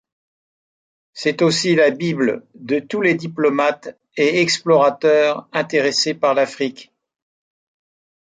C'est aussi la bible de tous les diplomates et explorateurs intéressés par l’Afrique.